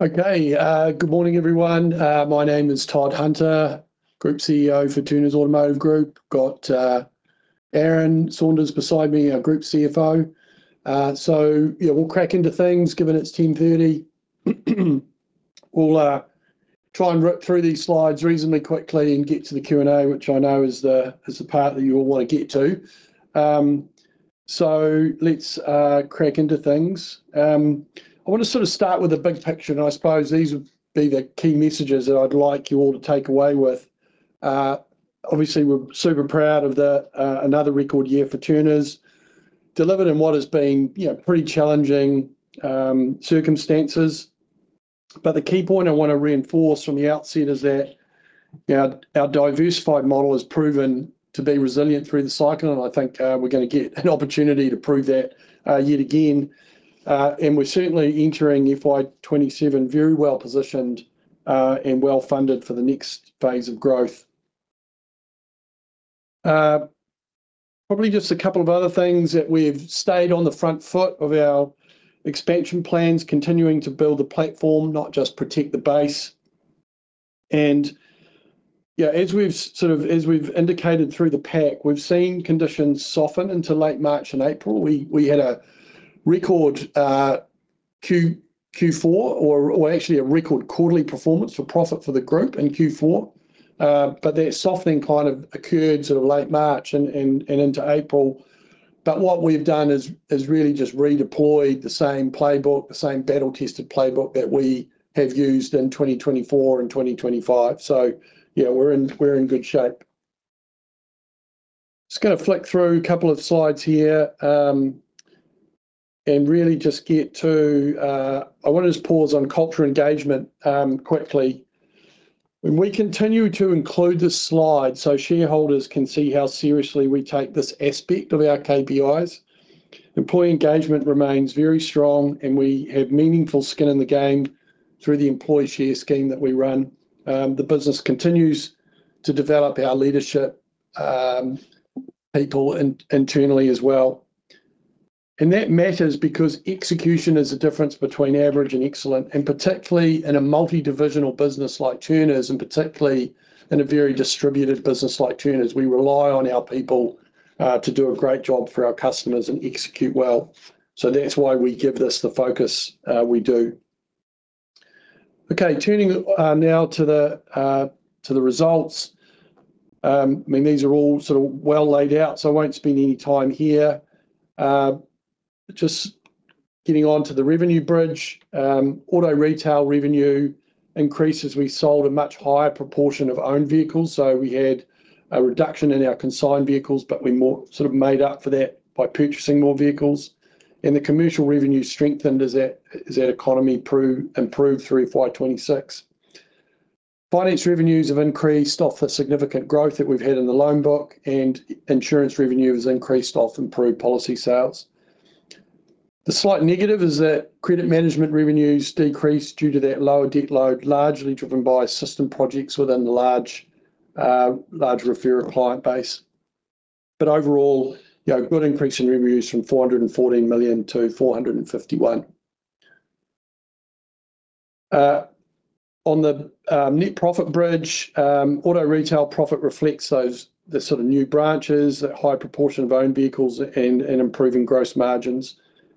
Good morning, everyone. My name is Todd Hunter, Group CEO for Turners Automotive Group. Got Aaron Saunders beside me, our Group CFO. We'll crack into things, given it's 10:30 A.M. We'll try and rip through these slides reasonably quickly and get to the Q&A, which I know is the part that you all want to get to. Let's crack into things. I want to start with the big picture. I suppose these would be the key messages that I'd like you all to take away with. Obviously, we're super proud of the another record year for Turners, delivered in what has been pretty challenging circumstances. The key point I want to reinforce from the outset is that our diversified model has proven to be resilient through the cycle. I think we're going to get an opportunity to prove that yet again. We're certainly entering FY 2027 very well-positioned, and well-funded for the next phase of growth. Probably just a couple of other things, that we've stayed on the front foot of our expansion plans, continuing to build the platform, not just protect the base. As we've indicated through the pack, we've seen conditions soften into late March and April. We had a record Q4 or actually a record quarterly performance for profit for the group in Q4. That softening kind of occurred late March and into April. What we've done is really just redeployed the same playbook, the same battle-tested playbook that we have used in 2024 and 2025. Yeah, we're in good shape. Just going to flick through a couple of slides here. I want to just pause on culture engagement quickly. When we continue to include this slide so shareholders can see how seriously we take this aspect of our KPIs. Employee engagement remains very strong, and we have meaningful skin in the game through the employee share scheme that we run. The business continues to develop our leadership, people internally as well. That matters because execution is the difference between average and excellent, and particularly in a multi-divisional business like Turners, and particularly in a very distributed business like Turners. We rely on our people to do a great job for our customers and execute well. That's why we give this the focus we do. Okay, turning now to the results. These are all well laid out, so I won't spend any time here. Just getting onto the revenue bridge. Auto Retail revenue increases. We sold a much higher proportion of owned vehicles, so we had a reduction in our consigned vehicles, but we more made up for that by purchasing more vehicles. The commercial revenue strengthened as that economy improved through FY 2026. Finance revenues have increased off the significant growth that we've had in the loan book, and Insurance revenue has increased off improved policy sales. The slight negative is that credit management revenues decreased due to that lower debt load, largely driven by system projects within the large referral client base. Overall, good increase in revenues from 414 million to 451 million. On the net profit bridge, Auto Retail profit reflects those new branches, that high proportion of owned vehicles, and improving gross margins.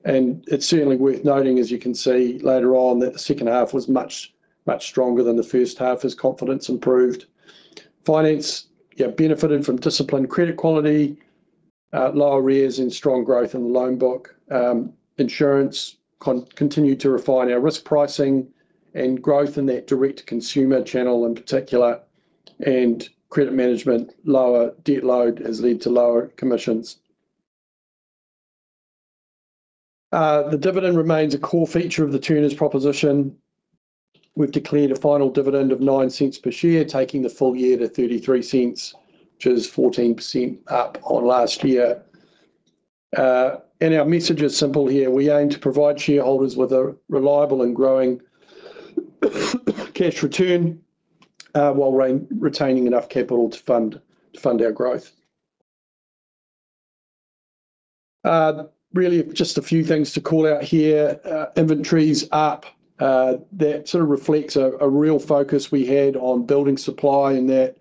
It's certainly worth noting, as you can see later on, that the second half was much stronger than the first half as confidence improved. Finance benefited from disciplined credit quality, lower arrears and strong growth in the loan book. Insurance continued to refine our risk pricing and growth in that direct consumer channel in particular. Credit management lower debt load has led to lower commissions. The dividend remains a core feature of the Turners proposition. We've declared a final dividend of 0.09 per share, taking the full year to 0.33, which is 14% up on last year. Our message is simple here. We aim to provide shareholders with a reliable and growing cash return, while retaining enough capital to fund our growth. Really, just a few things to call out here. Inventories up, that reflects a real focus we had on building supply in that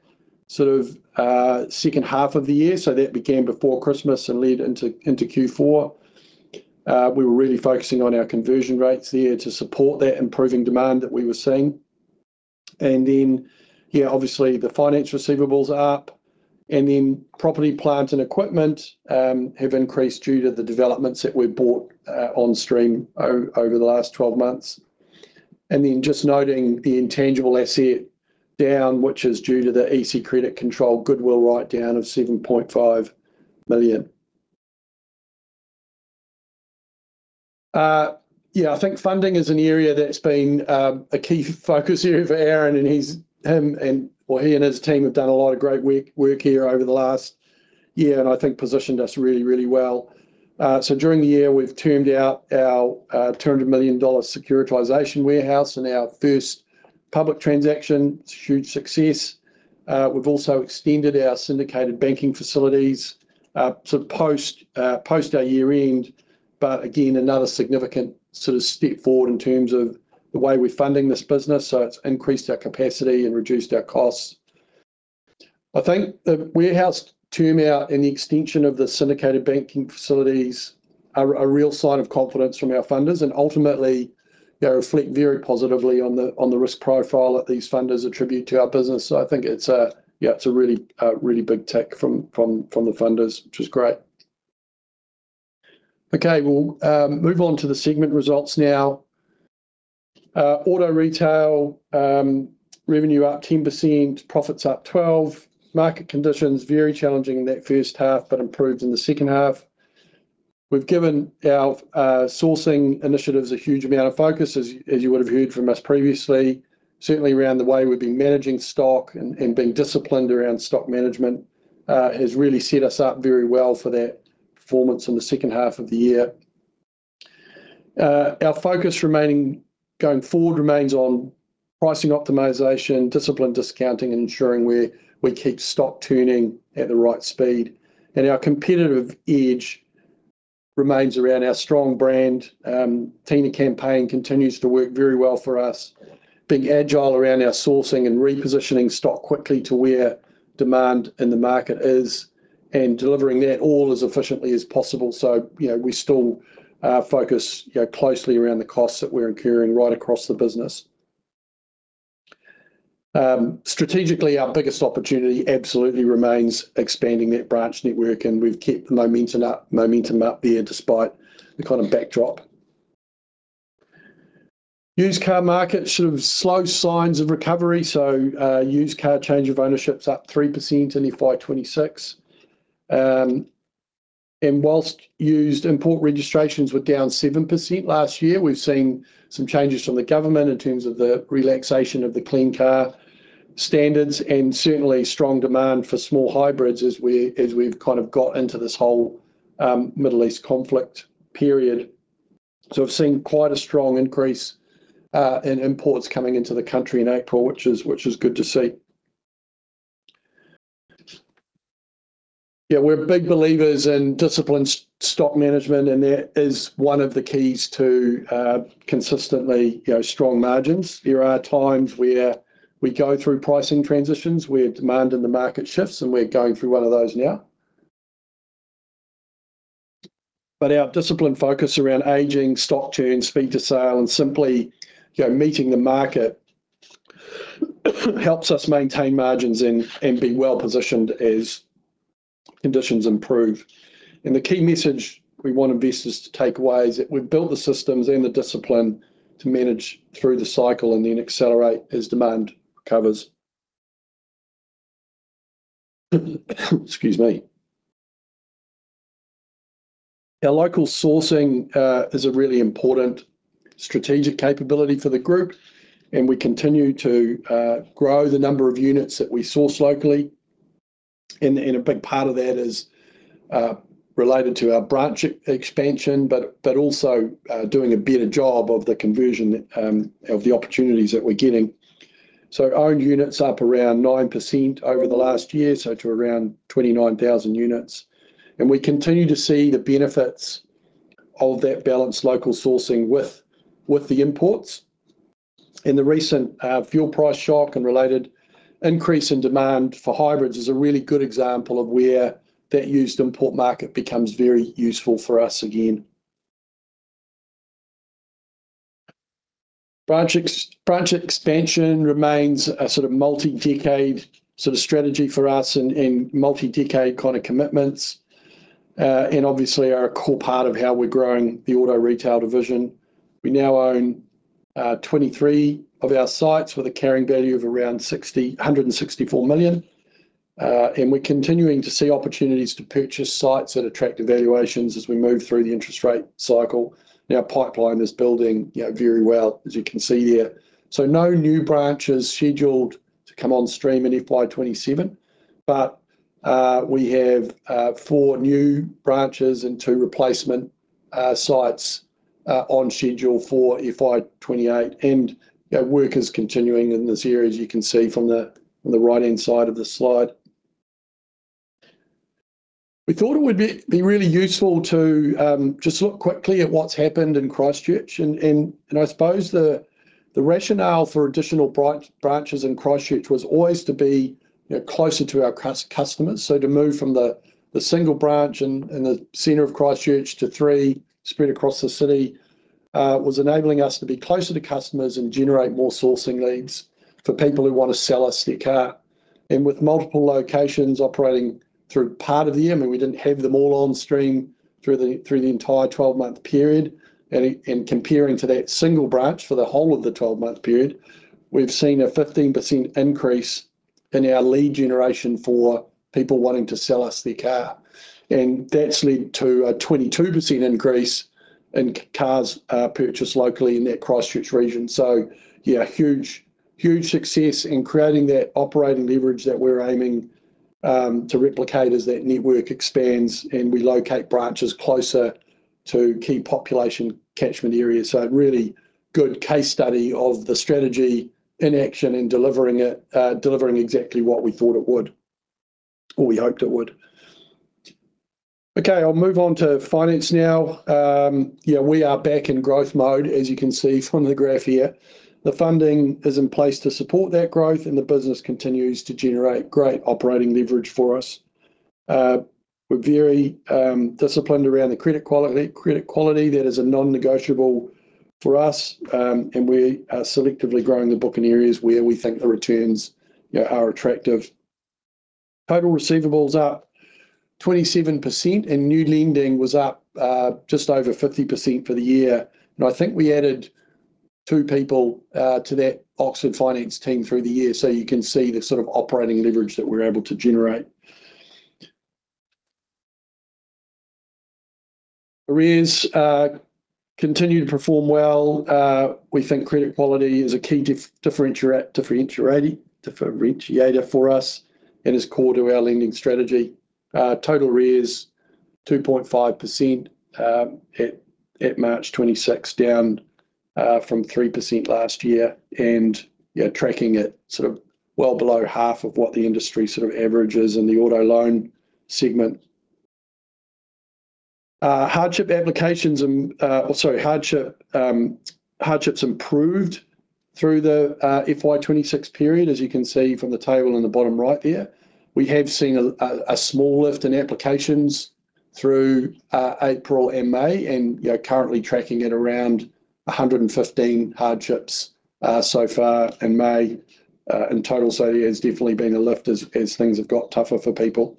second half of the year. That began before Christmas and led into Q4. We were really focusing on our conversion rates there to support that improving demand that we were seeing. Obviously the Finance receivables are up, and then property, plant, and equipment have increased due to the developments that we bought on stream over the last 12 months. Just noting the intangible asset down, which is due to the EC Credit Control goodwill write-down of 7.5 million. I think funding is an area that's been a key focus area for Aaron and he and his team have done a lot of great work here over the last year, and I think positioned us really, really well. During the year, we've termed out our 200 million dollar securitization warehouse and our first public transaction, it's a huge success. We've also extended our syndicated banking facilities to post our year-end. Again, another significant sort of step forward in terms of the way we're funding this business. It's increased our capacity and reduced our costs. I think the warehouse term out and the extension of the syndicated banking facilities are a real sign of confidence from our funders, and ultimately they reflect very positively on the risk profile that these funders attribute to our business. I think it's a really big tick from the funders, which is great. Okay. We'll move on to the segment results now. Auto Retail revenue up 10%, profits up 12%. Market conditions very challenging in that first half, but improved in the second half. We've given our sourcing initiatives a huge amount of focus, as you would have heard from us previously. Around the way we've been managing stock and been disciplined around stock management, has really set us up very well for that performance in the second half of the year. Our focus going forward remains on pricing optimization, disciplined discounting, and ensuring we keep stock turning at the right speed. Our competitive edge remains around our strong brand. Tina campaign continues to work very well for us. Being agile around our sourcing and repositioning stock quickly to where demand in the market is, and delivering that all as efficiently as possible. We still focus closely around the costs that we're incurring right across the business. Strategically, our biggest opportunity absolutely remains expanding that branch network, and we've kept the momentum up there despite the kind of backdrop. Used car market, sort of slow signs of recovery. Used car change of ownership's up 3% in FY 2026. Whilst used import registrations were down 7% last year, we've seen some changes from the government in terms of the relaxation of the Clean Car Standard and certainly strong demand for small hybrids as we've kind of got into this whole Middle East conflict period. We've seen quite a strong increase in imports coming into the country in April, which is good to see. Yeah, we're big believers in disciplined stock management, and that is one of the keys to consistently strong margins. There are times where we go through pricing transitions, where demand in the market shifts, and we're going through one of those now. Our disciplined focus around aging, stock turn, speed to sale, and simply meeting the market helps us maintain margins and be well positioned as conditions improve. The key message we want investors to take away is that we've built the systems and the discipline to manage through the cycle and then accelerate as demand recovers. Excuse me. Our local sourcing is a really important strategic capability for the group, and we continue to grow the number of units that we source locally. A big part of that is related to our branch expansion, but also doing a better job of the conversion of the opportunities that we're getting. Owned unit's up around 9% over the last year, to around 29,000 units. We continue to see the benefits of that balanced local sourcing with the imports. The recent fuel price shock and related increase in demand for hybrids is a really good example of where that used import market becomes very useful for us again. Branch expansion remains a sort of multi-decade sort of strategy for us and multi-decade kind of commitments. Obviously are a core part of how we're growing the Auto Retail division. We now own 23 of our sites with a carrying value of around 164 million. We're continuing to see opportunities to purchase sites that attract evaluations as we move through the interest rate cycle. Our pipeline is building very well, as you can see there. No new branches scheduled to come on stream in FY 2027. We have four new branches and two replacement sites on schedule for FY 2028, and work is continuing in this area, as you can see from the right-hand side of the slide. We thought it would be really useful to just look quickly at what's happened in Christchurch. I suppose the rationale for additional branches in Christchurch was always to be closer to our customers. To move from the single branch in the center of Christchurch to three spread across the city, was enabling us to be closer to customers and generate more sourcing leads for people who want to sell us their car. With multiple locations operating through part of the year, we didn't have them all on stream through the entire 12-month period. Comparing to that single branch for the whole of the 12-month period, we've seen a 15% increase in our lead generation for people wanting to sell us their car. That's led to a 22% increase in cars purchased locally in that Christchurch region. Yeah, huge success in creating that operating leverage that we're aiming to replicate as that network expands and we locate branches closer to key population catchment areas. A really good case study of the strategy in action, in delivering it, delivering exactly what we thought it would, or we hoped it would. I'll move on to Finance now. We are back in growth mode, as you can see from the graph here. The funding is in place to support that growth, and the business continues to generate great operating leverage for us. We're very disciplined around the credit quality. Credit quality, that is a non-negotiable for us, and we are selectively growing the book in areas where we think the returns are attractive. Total receivables are 27%, and new lending was up just over 50% for the year. I think we added two people to that Oxford Finance team through the year. You can see the sort of operating leverage that we're able to generate. Arrears continue to perform well. We think credit quality is a key differentiator for us and is core to our lending strategy. Total arrears, 2.5% at March 26, down from 3% last year. Tracking at well below half of what the industry averages in the auto loan segment. Hardship applications, hardships improved through the FY 2026 period, as you can see from the table in the bottom right there. We have seen a small lift in applications through April and May. Currently tracking at around 115 hardships so far in May. In total, there's definitely been a lift as things have got tougher for people.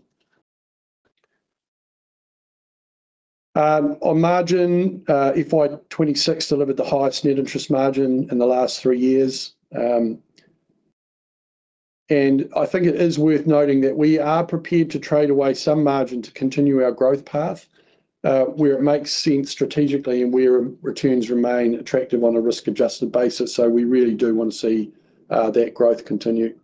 On margin, FY 2026 delivered the highest net interest margin in the last three years. I think it is worth noting that we are prepared to trade away some margin to continue our growth path, where it makes sense strategically and where returns remain attractive on a risk-adjusted basis. We really do want to see that growth continue.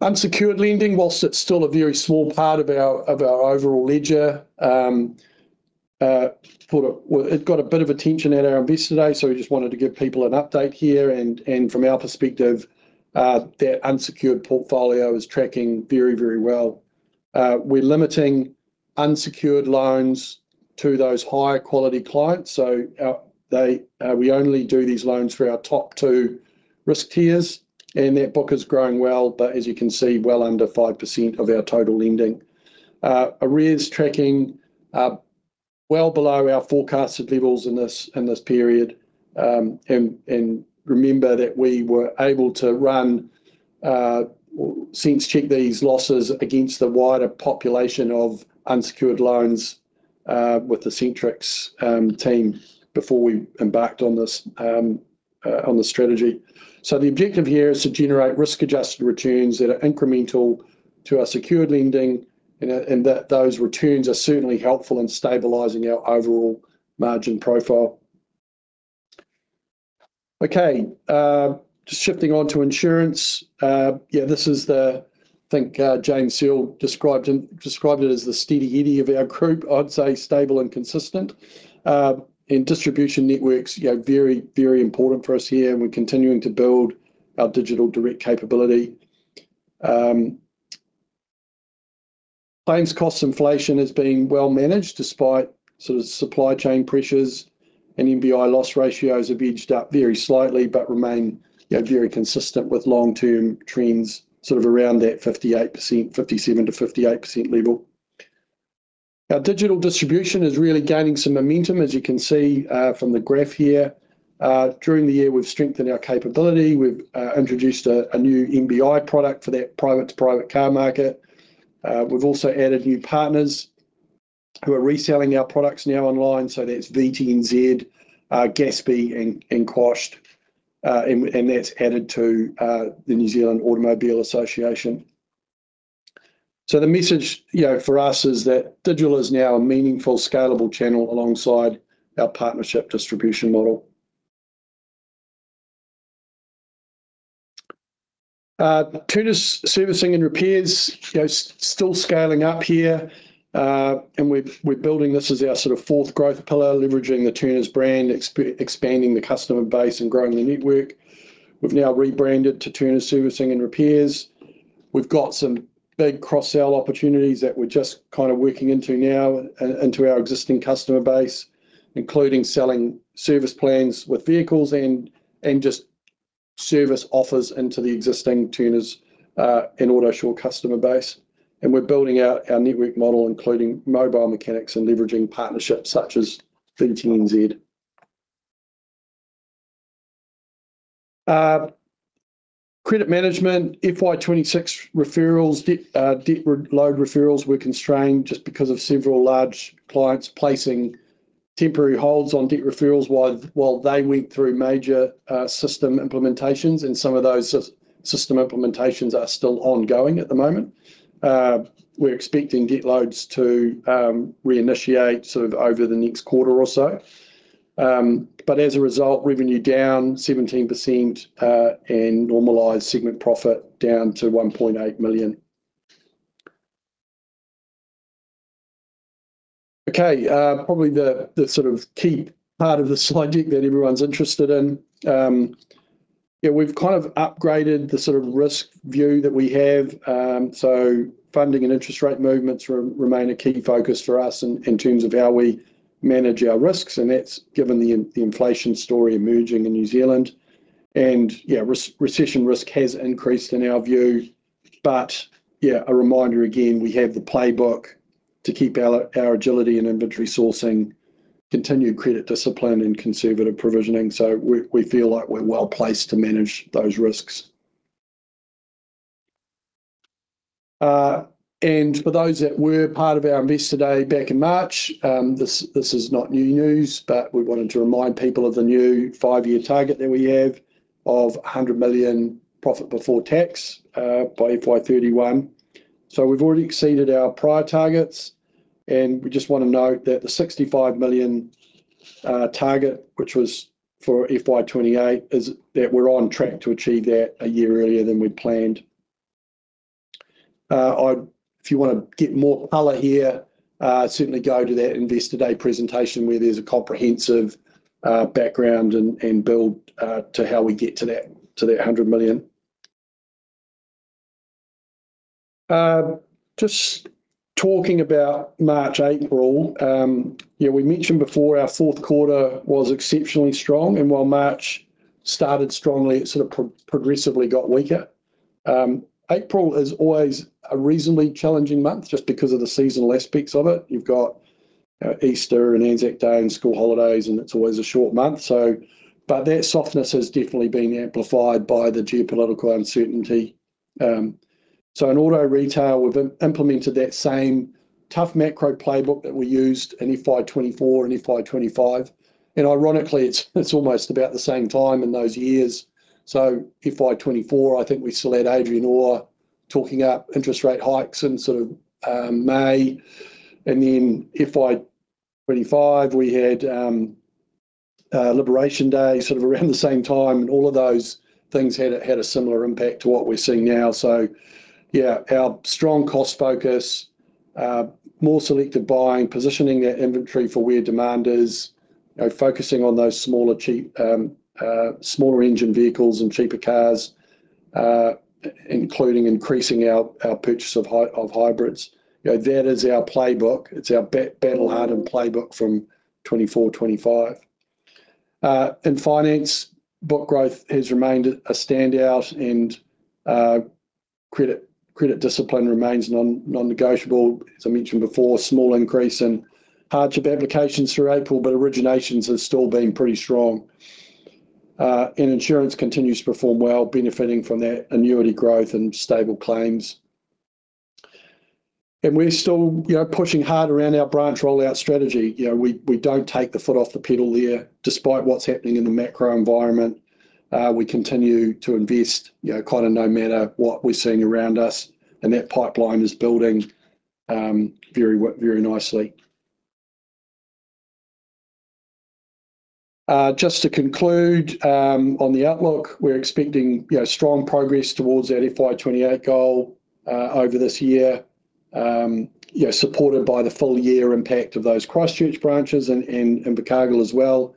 Unsecured lending, whilst it's still a very small part of our overall ledger, it got a bit of attention at our invest today, so we just wanted to give people an update here. From our perspective, that unsecured portfolio is tracking very well. We're limiting unsecured loans to those higher quality clients. We only do these loans for our top two risk tiers, and that book is growing well, but as you can see, well under 5% of our total lending. Arrears tracking, well below our forecasted levels in this period. Remember that we were able to run sense check these losses against the wider population of unsecured loans with the Centrix team before we embarked on the strategy. The objective here is to generate risk-adjusted returns that are incremental to our secured lending, and that those returns are certainly helpful in stabilizing our overall margin profile. Okay. Just shifting on to Insurance. Yeah, this is the, I think James Searle described it as the steady Eddy of our group. I'd say stable and consistent. Distribution networks, very important for us here, and we're continuing to build our digital direct capability. Claims cost inflation has been well managed despite supply chain pressures and MBI loss ratios have edged up very slightly, but remain very consistent with long-term trends, sort of around that 57%-58% level. Our digital distribution is really gaining some momentum, as you can see from the graph here. During the year, we've strengthened our capability. We've introduced a new MBI product for that private-to-private car market. We've also added new partners who are reselling our products now online. That's VTNZ, Gaspy, and Quashed. That's added to the New Zealand Automobile Association. The message for us is that digital is now a meaningful, scalable channel alongside our partnership distribution model. Turners Servicing and Repairs, still scaling up here. We're building this as our fourth growth pillar, leveraging the Turners brand, expanding the customer base, and growing the network. We've now rebranded to Turners Servicing and Repairs. We've got some big cross-sell opportunities that we're just kind of working into now into our existing customer base, including selling service plans with vehicles and just service offers into the existing Turners and Autosure customer base. We're building out our network model, including mobile mechanics and leveraging partnerships such as VTNZ. Credit management, FY 2026 referrals, debt load referrals were constrained just because of several large clients placing temporary holds on debt referrals while they went through major system implementations, and some of those system implementations are still ongoing at the moment. We're expecting debt loads to reinitiate over the next quarter or so. As a result, revenue down 17% and normalized segment profit down to 1.8 million. Okay. Probably the key part of the slide deck that everyone's interested in. We've upgraded the risk view that we have. Funding and interest rate movements remain a key focus for us in terms of how we manage our risks. That's given the inflation story emerging in New Zealand. Recession risk has increased in our view. A reminder, again, we have the playbook to keep our agility and inventory sourcing, continued credit discipline, and conservative provisioning. We feel like we're well-placed to manage those risks. For those that were part of our Investor Day back in March, this is not new news, but we wanted to remind people of the new five-year target that we have of 100 million profit before tax by FY 2031. We've already exceeded our prior targets, and we just want to note that the 65 million target, which was for FY 2028, is that we're on track to achieve that a year earlier than we'd planned. If you want to get more color here, certainly go to that Investor Day presentation, where there's a comprehensive background and build to how we get to that 100 million. Just talking about March, April. We mentioned before our fourth quarter was exceptionally strong, and while March started strongly, it progressively got weaker. April is always a reasonably challenging month, just because of the seasonal aspects of it. You've got Easter and Anzac Day and school holidays, and it's always a short month. That softness has definitely been amplified by the geopolitical uncertainty. In Auto Retail, we've implemented that same tough macro playbook that we used in FY 2024 and FY 2025. Ironically, it's almost about the same time in those years. FY 2024, I think we still had Adrian Orr talking up interest rate hikes in May. FY 2025, we had Liberation Day around the same time, and all of those things had a similar impact to what we're seeing now. Our strong cost focus, more selective buying, positioning that inventory for where demand is. Focusing on those smaller engine vehicles and cheaper cars, including increasing our purchase of hybrids. That is our playbook. It's our battle-hardened playbook from 2024, 2025. In Finance, book growth has remained a standout and credit discipline remains non-negotiable. As I mentioned before, small increase in hardship applications through April, but originations are still being pretty strong. Insurance continues to perform well, benefiting from that annuity growth and stable claims. We're still pushing hard around our branch rollout strategy. We don't take the foot off the pedal there, despite what's happening in the macro environment. We continue to invest no matter what we're seeing around us, and that pipeline is building very nicely. Just to conclude, on the outlook, we're expecting strong progress towards that FY 2028 goal over this year, supported by the full year impact of those Christchurch branches and in Invercargill as well,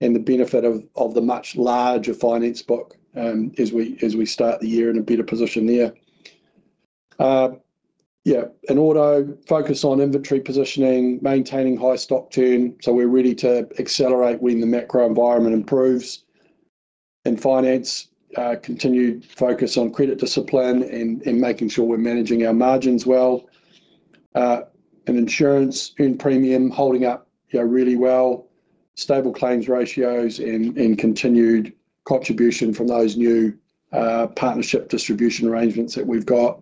and the benefit of the much larger Finance book as we start the year in a better position there. In Auto, focus on inventory positioning, maintaining high stock turn, so we're ready to accelerate when the macro environment improves. In Finance, continued focus on credit discipline and making sure we're managing our margins well. In Insurance, earn premium holding up really well, stable claims ratios, and continued contribution from those new partnership distribution arrangements that we've got.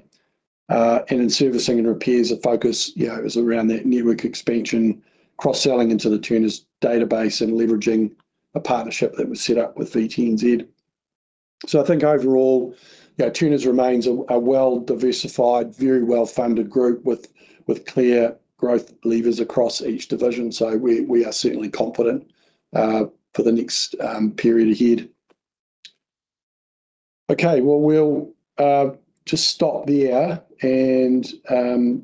In Servicing and Repairs, the focus is around that network expansion, cross-selling into the Turners database and leveraging a partnership that was set up with VTNZ. I think overall, Turners remains a well-diversified, very well-funded group with clear growth levers across each division. We are certainly confident for the next period ahead. Okay. Well, we'll just stop there and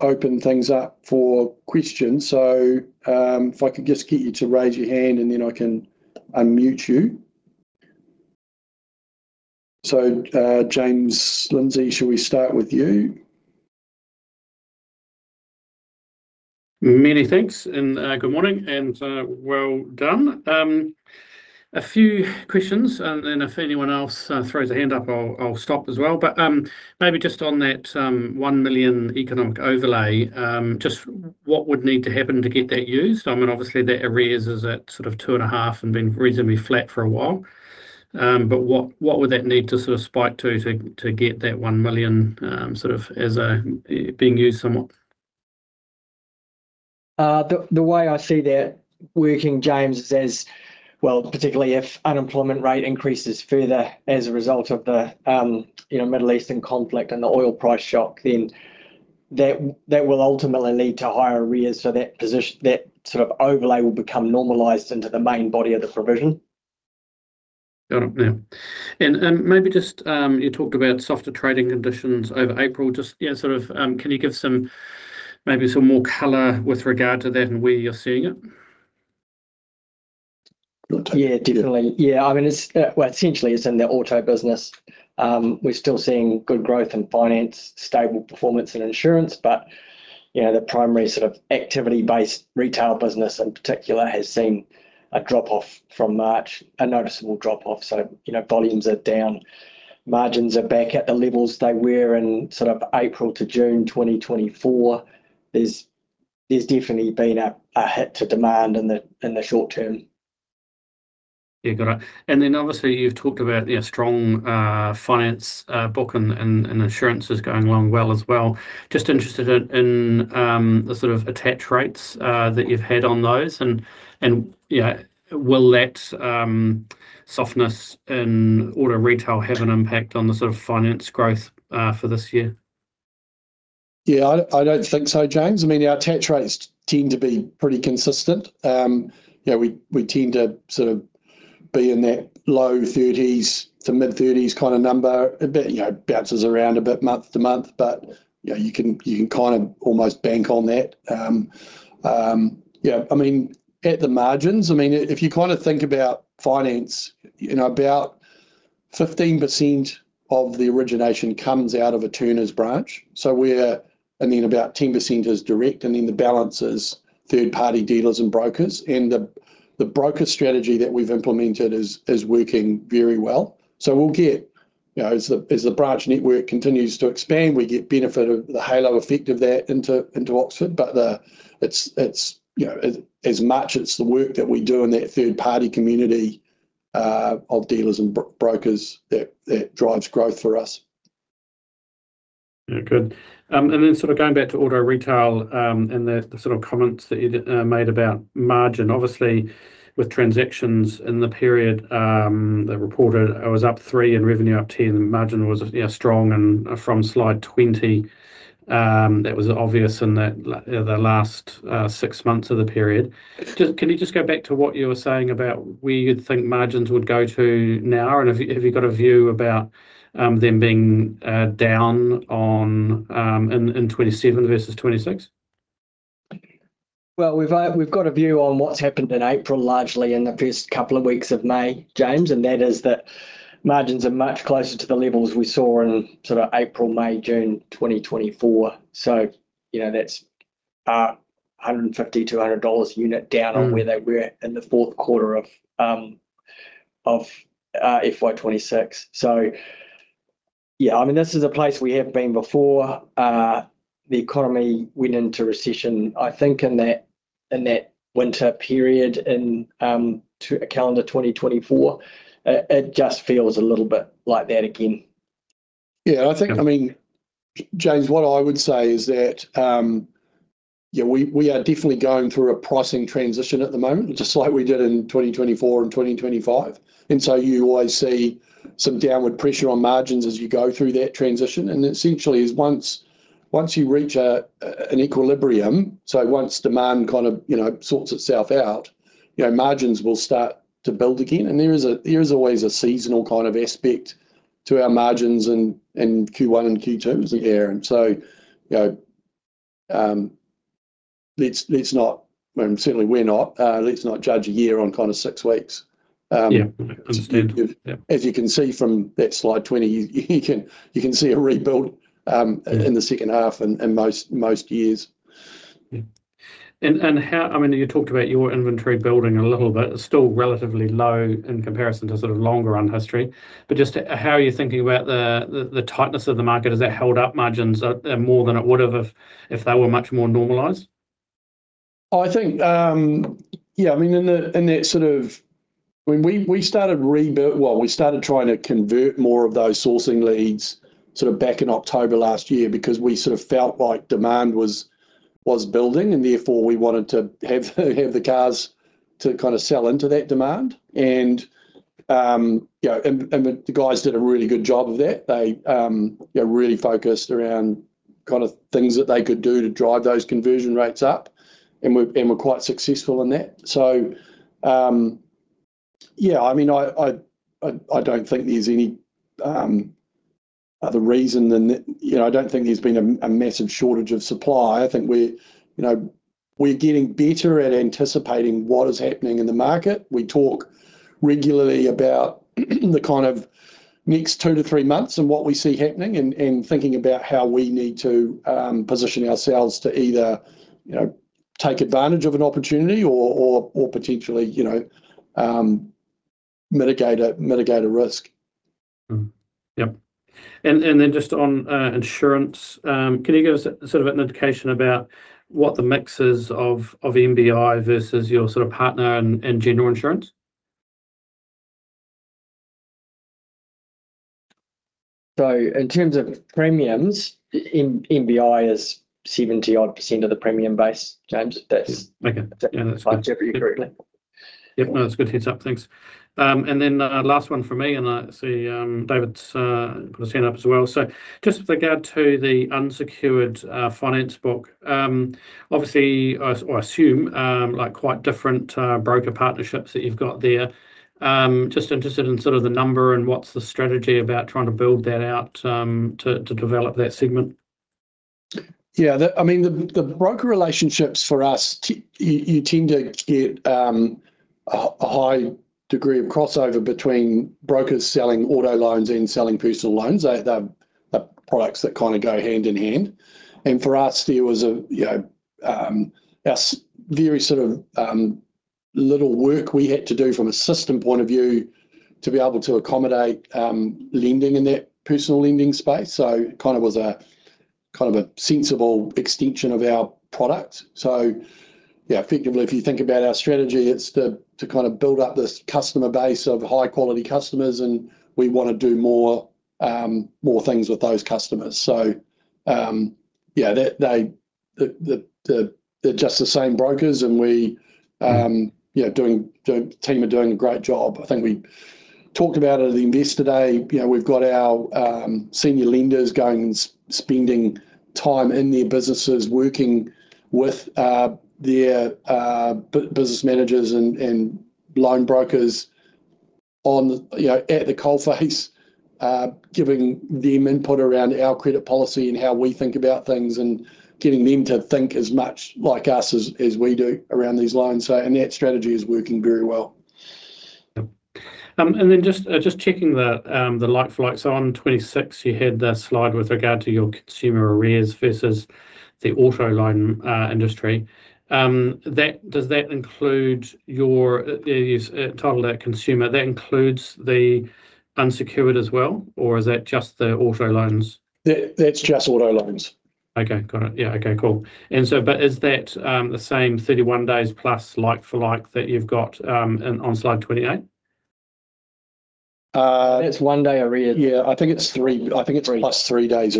open things up for questions. If I could just get you to raise your hand, and then I can unmute you. James Lindsay, shall we start with you? Many thanks, and good morning, and well done. A few questions, and then if anyone else throws a hand up, I'll stop as well. Maybe just on that 1 million economic overlay, just what would need to happen to get that used? Obviously, that arrears is at 2.5% and been reasonably flat for a while. What would that need to spike to get that 1 million as being used somewhat? The way I see that working, James, is, well, particularly if unemployment rate increases further as a result of the Middle Eastern conflict and the oil price shock. That will ultimately lead to higher arrears. That overlay will become normalized into the main body of the provision. Got it. You talked about softer trading conditions over April. Can you give maybe some more color with regard to that and where you're seeing it? Yeah, definitely. Well, essentially, it's in the auto business. We're still seeing good growth in Finance, stable performance and Insurance. The primary activity-based retail business in particular has seen a drop-off from March, a noticeable drop-off. Volumes are down, margins are back at the levels they were in April to June 2024. There's definitely been a hit to demand in the short term. Yeah. Got it. Obviously you've talked about strong Finance book and Insurance is going along well as well. Just interested in the attach rates that you've had on those and, will that softness in Auto Retail have an impact on the Finance growth for this year? Yeah, I don't think so, James. Our attach rates tend to be pretty consistent. We tend to be in that low 30s to mid-30s kind of number a bit, bounces around a bit month to month. You can almost bank on that. At the margins, if you think about Finance, about 15% of the origination comes out of a Turners branch. About 10% is direct, and then the balance is third-party dealers and brokers. The broker strategy that we've implemented is working very well. As the branch network continues to expand, we get benefit of the halo effect of that into Oxford. As much it's the work that we do in that third-party community, of dealers and brokers that drives growth for us. Yeah. Good. Then going back to Auto Retail, and the comments that you made about margin, obviously with transactions in the period, that reported it was up 3% and revenue up 10%, the margin was strong and from slide 20, that was obvious in the last six months of the period. Can you just go back to what you were saying about where you'd think margins would go to now? Have you got a view about them being down in 2027 versus 2026? Well, we've got a view on what's happened in April, largely in the first couple of weeks of May, James, and that is that margins are much closer to the levels we saw in April, May, June 2024. That's 150, 200 dollars unit down. -on where they were in the fourth quarter of FY 2026. Yeah, this is a place we have been before, the economy went into recession, I think in that winter period in calendar 2024, it just feels a little bit like that again. Yeah. Yeah. James, what I would say is that, we are definitely going through a pricing transition at the moment, just like we did in 2024 and 2025. You always see some downward pressure on margins as you go through that transition. Essentially once you reach an equilibrium, so once demand sorts itself out, margins will start to build again. There is always a seasonal aspect to our margins in Q1 and Q2. Yeah. Let's not judge a year on six weeks. Yeah. Understood. Yeah. As you can see from that slide 20, you can see. Yeah. In the second half and most years. Yeah. You talked about your inventory building a little bit, still relatively low in comparison to longer run history, but just how are you thinking about the tightness of the market? Has that held up margins more than it would've if they were much more normalized? We started trying to convert more of those sourcing leads back in October last year because we felt like demand was building and therefore we wanted to have the cars to sell into that demand. The guys did a really good job of that. They really focused around things that they could do to drive those conversion rates up, and were quite successful in that. I don't think there's any other reason than that. I don't think there's been a massive shortage of supply. I think we're getting better at anticipating what is happening in the market. We talk regularly about the next two to three months and what we see happening and thinking about how we need to position ourselves to either take advantage of an opportunity or potentially mitigate a risk. Yep. Then just on Insurance, can you give us an indication about what the mix is of MBI versus your partner in general insurance? In terms of premiums, MBI is 70-odd% of the premium base, James. Okay. Yeah. if I interpret you correctly? Yep. No, that's a good heads-up, thanks. Last one from me, and I see David's put his hand up as well. Just with regard to the unsecured Finance book, obviously, or I assume quite different broker partnerships that you've got there. Just interested in sort of the number and what's the strategy about trying to build that out to develop that segment? Yeah. The broker relationships for us, you tend to get a high degree of crossover between brokers selling auto loans and selling personal loans. They're products that kind of go hand-in-hand. For us there was very sort of little work we had to do from a system point of view to be able to accommodate lending in that personal lending space. It was a sensible extension of our product. Yeah, effectively, if you think about our strategy, it's to build up this customer base of high-quality customers, and we want to do more things with those customers. Yeah, they're just the same brokers and the team are doing a great job. I think we talked about it at Investor Day. We've got our senior lenders going and spending time in their businesses, working with their business managers and loan brokers at the coalface, giving them input around our credit policy and how we think about things and getting them to think as much like us as we do around these loans. That strategy is working very well. Yep. Just checking the like-for-like. On 26, you had the slide with regard to your consumer arrears versus the auto loan industry. You've titled that consumer. That includes the unsecured as well, or is that just the auto loans? That's just auto loans. Okay. Got it. Yeah, okay, cool. Is that the same 31 days plus like-for-like that you've got on slide 28? That's one day arrears. Yeah. Three. Plus three days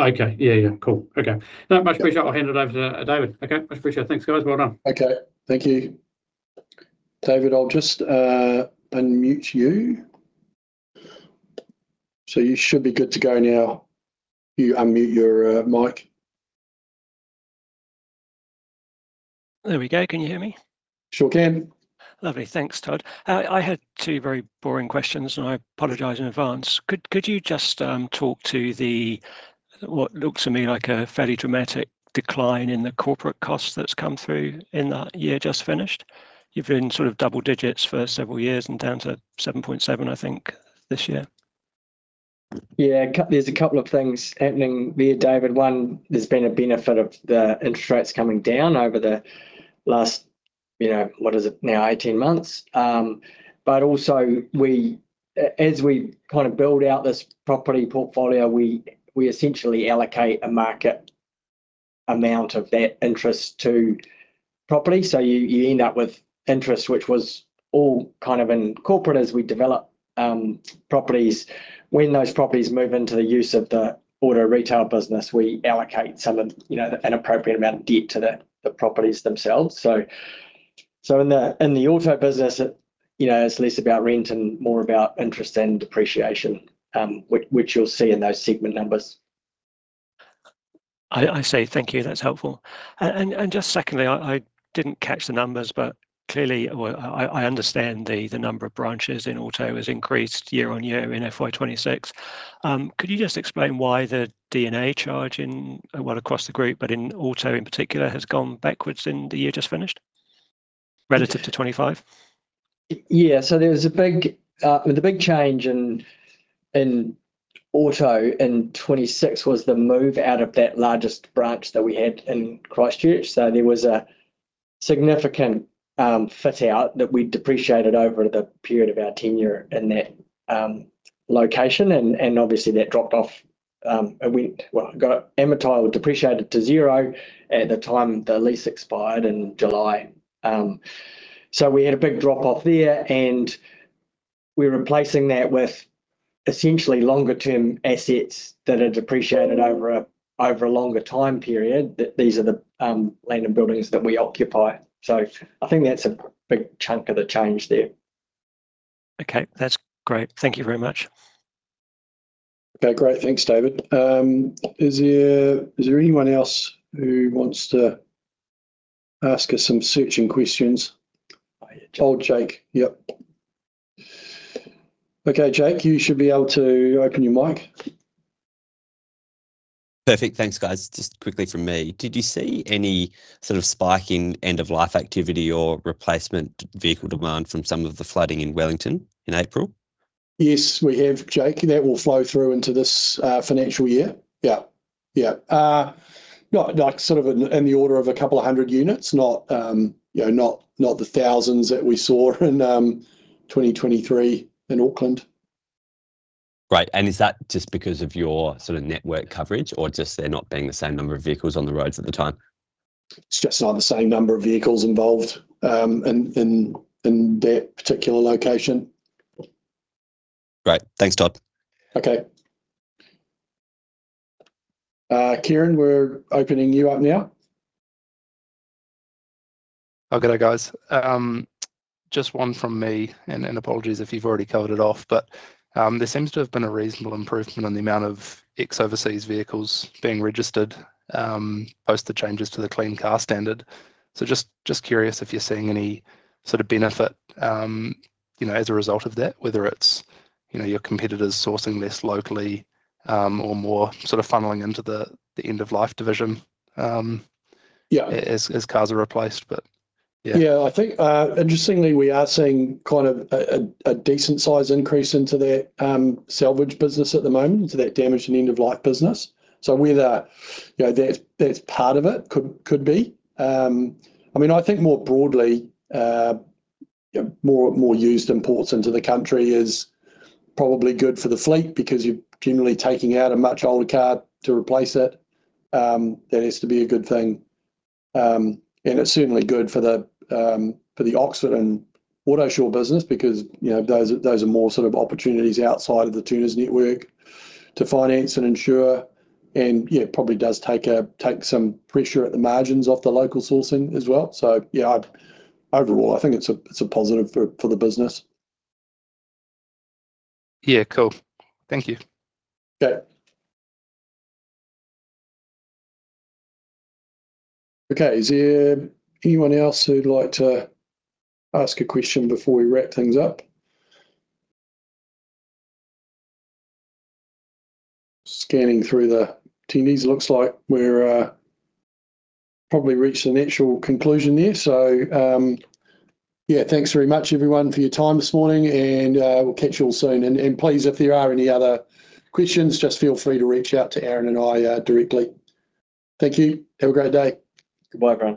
arrears. Okay. Yeah. Cool. Okay. No, much appreciated. I'll hand it over to David. Okay, much appreciated. Thanks, guys. Well done. Okay. Thank you. David, I'll just unmute you. You should be good to go now. You unmute your mic. There we go. Can you hear me? Sure can. Lovely. Thanks, Todd. I had two very boring questions, and I apologize in advance. Could you just talk to the, what looks to me like a fairly dramatic decline in the corporate costs that is come through in that year just finished? You have been sort of double digits for several years and down to 7.7%, I think, this year. There's a couple of things happening there, David. One, there's been a benefit of the interest rates coming down over the last, what is it now? 18 months. Also as we build out this property portfolio, we essentially allocate a market amount of that interest to property. You end up with interest, which was all kind of in corporate as we develop properties. When those properties move into the use of the Auto Retail business, we allocate an appropriate amount of debt to the properties themselves. In the auto business, it's less about rent and more about interest and depreciation, which you'll see in those segment numbers. I see. Thank you. That's helpful. Just secondly, I didn't catch the numbers, but clearly, I understand the number of branches in auto has increased year-on-year in FY 2026. Could you just explain why the D&A charge in, well, across the group, but in auto in particular, has gone backwards in the year just finished relative to 2025? Yeah, the big change in auto in 2026 was the move out of that largest branch that we had in Christchurch. There was a significant fit-out that we'd depreciated over the period of our tenure in that location, and obviously that dropped off and went Well, it got amortized or depreciated to zero at the time the lease expired in July. We had a big drop-off there, and we're replacing that with essentially longer-term assets that had depreciated over a longer time period, that these are the land and buildings that we occupy. I think that's a big chunk of the change there. Okay. That's great. Thank you very much. Okay, great. Thanks, David. Is there anyone else who wants to ask us some searching questions? Jake. Oh, Jake. Yep. Okay, Jake, you should be able to open your mic. Perfect. Thanks, guys. Just quickly from me, did you see any sort of spike in end-of-life activity or replacement vehicle demand from some of the flooding in Wellington in April? Yes, we have, Jake. That will flow through into this financial year. Yeah. Like sort of in the order of a couple of 100 units, not the thousands that we saw in 2023 in Auckland. Right. Is that just because of your sort of network coverage or just there not being the same number of vehicles on the roads at the time? It's just not the same number of vehicles involved in that particular location. Great. Thanks, Todd. Okay, Kieran, we're opening you up now. Oh, good day, guys. Just one from me, and apologies if you've already covered it off, but there seems to have been a reasonable improvement on the amount of ex-overseas vehicles being registered post the changes to the Clean Car Standard. Just curious if you're seeing any sort of benefit as a result of that, whether it's your competitors sourcing less locally or more sort of funneling into the end-of-life division? Yeah. As cars are replaced, but yeah. I think interestingly, we are seeing kind of a decent size increase into that salvage business at the moment, into that damage and end-of-life business. Whether that's part of it, could be. I think more broadly, more used imports into the country is probably good for the fleet because you're generally taking out a much older car to replace it. That has to be a good thing. It's certainly good for the auction and Autosure business because those are more sort of opportunities outside of the Turners network to finance and insure and probably does take some pressure at the margins off the local sourcing as well. Overall, I think it's a positive for the business. Yeah, cool. Thank you. Okay, is there anyone else who'd like to ask a question before we wrap things up? Scanning through the attendees, looks like we're probably reached a natural conclusion there. Yeah, thanks very much, everyone, for your time this morning, and we'll catch you all soon. Please, if there are any other questions, just feel free to reach out to Aaron and I directly. Thank you. Have a great day. Goodbye, Grant.